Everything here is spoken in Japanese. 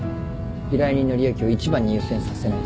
依頼人の利益を一番に優先させないと。